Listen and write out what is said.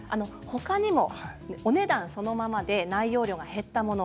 他にも、お値段そのままで内容量が減ったもの